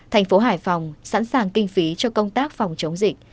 thành phố hải phòng sẵn sàng kinh phí cho công tác phòng chống dịch